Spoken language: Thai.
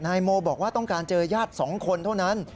นายโมบอกว่าต้องการเจอญาติ๒คนเท่านั้น